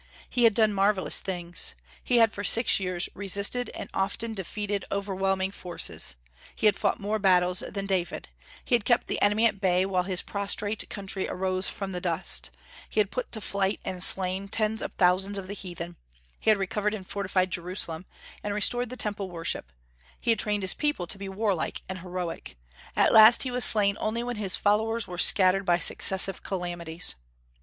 He had done marvellous things. He had for six years resisted and often defeated overwhelming forces; he had fought more battles than David; he had kept the enemy at bay while his prostrate country arose from the dust; he had put to flight and slain tens of thousands of the heathen; he had recovered and fortified Jerusalem, and restored the Temple worship; he had trained his people to be warlike and heroic. At last he was slain only when his followers were scattered by successive calamities.